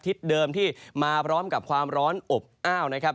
เดิมที่มาพร้อมกับความร้อนอบอ้าวนะครับ